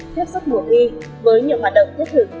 tiếp xúc mùa thi với nhiều hoạt động thiết thực